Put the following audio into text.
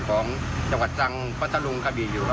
ของจังหวัดจ้างพฤตลุงกฒบิอยู่